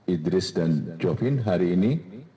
idris dan jovin hari ini